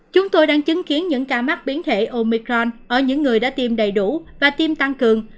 chúng tôi đang chứng kiến những ca mắc biến thể omicron ở những người đã tiêm đầy đủ và tiêm tăng cường